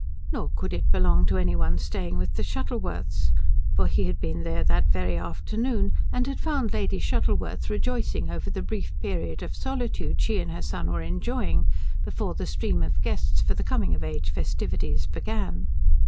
Nor could it belong to any one staying with the Shuttleworths, for he had been there that very afternoon and had found Lady Shuttleworth rejoicing over the brief period of solitude she and her son were enjoying before the stream of guests for the coming of age festivities began.